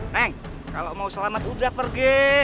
neng kalau mau selamat udah pergi